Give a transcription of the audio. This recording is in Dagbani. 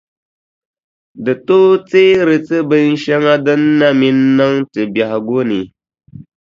Di tooi teeri ti binʼ shɛŋa din na mi n-niŋ ti biɛhigu ni.